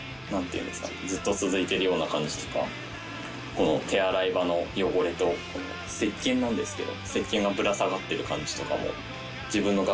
この手洗い場の汚れと石鹸なんですけど。